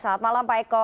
selamat malam pak eko